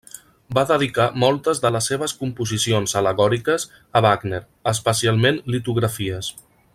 Va dedicar moltes de les seves composicions al·legòriques a Wagner, especialment litografies.